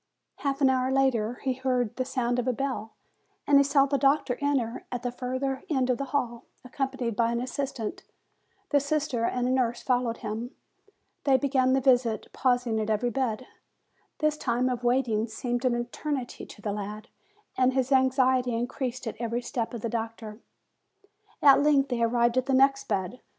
Half an hour later he heard the sound of a bell, and DADDY'S NURSE 135 he saw the doctor enter at the further end of the hall, accompanied by an assistant; the sister and a nurse followed him. They began the visit, pausing at every bed. This time of waiting seemed an eternity to the lad, and his anxiety increased at every step of the doctor. At length they arrived at the next bed.